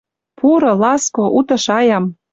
Пуры, ласко, уты шаям